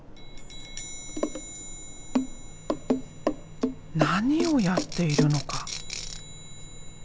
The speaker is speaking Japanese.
何をやっているのか？